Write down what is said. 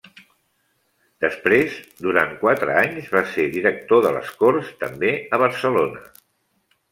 Després, durant quatre anys, va ésser director de les Corts, també a Barcelona.